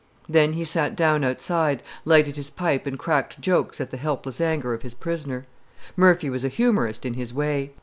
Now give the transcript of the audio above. Then he sat down outside, lighted his pipe and cracked jokes at the helpless anger of his prisoner. Murphy was a humorist in his way.